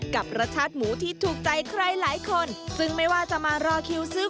กับรสชาติหมูที่ถูกใจใครหลายคนซึ่งไม่ว่าจะมารอคิวซื้อ